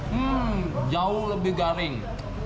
hmm jauh lebih garing